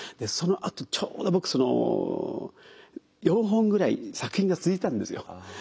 そのあとちょうど僕その４本ぐらい作品が続いたんですよ。